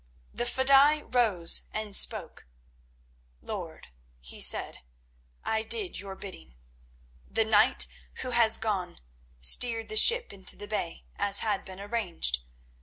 The fedaï rose and spoke. "Lord," he said, "I did your bidding. The knight who has gone steered the ship into the bay, as had been arranged.